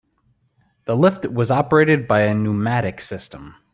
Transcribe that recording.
The lift was operated by a pneumatic system.